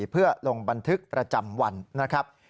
เพื่อลงบันทึกประจำวันนะครับ